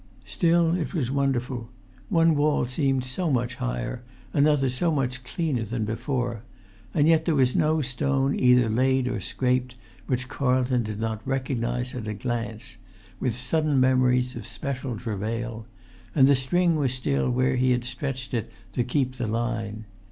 Still it was wonderful: one wall seemed so much higher, another so much cleaner than before; and yet there was no stone either laid or scraped which Carlton did not recognize at a glance, with sudden[Pg 228] memories of special travail; and the string was still where he had stretched it to keep the line.